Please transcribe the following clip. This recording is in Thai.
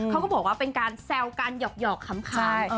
เขาก็บอกว่าเป็นการแซวกันหยอกคำคาย